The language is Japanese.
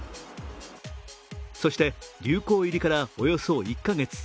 そして、流行入りからおよそ１か月。